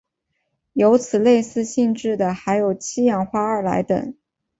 有此类似性质的还有七氧化二铼等。